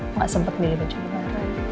nggak sempet pilih baju lebaran